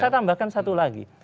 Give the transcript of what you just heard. saya tambahkan satu lagi